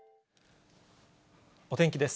お天気です。